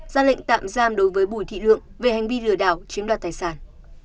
ra lệnh tạm giam đối với bùi thị lượng về hành vi lừa đảo chiếm đoạt tài sản